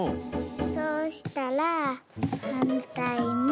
そうしたらはんたいも。